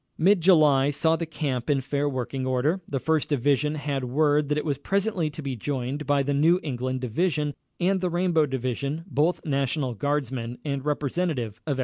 Mid July saw the camp in fair working order. The First Division had word that it was presently to be joined by the New England Division and the Rainbow Division, both National Guardsmen, and representative of every State.